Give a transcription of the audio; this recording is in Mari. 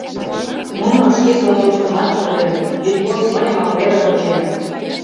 Нуно шке сомылыштымат монденыт, йӱдвошт мыйымак веле онченыт.